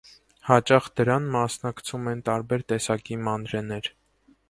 Հաճախ դրան մասնակցում են տարբեր տեսակի մանրէներ։